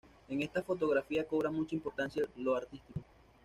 En esta fotografía, cobra mucha importancia lo artístico.